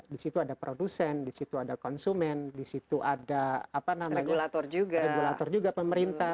disitu ada produsen disitu ada konsumen disitu ada regulator juga pemerintah